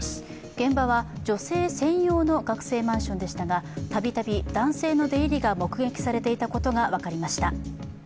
現場は女性専用の学生マンションでしたが、たびたび男性の出入りが目撃されていたことが分かりました。